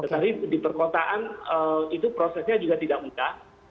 tetapi di perkotaan itu prosesnya juga tidak mudah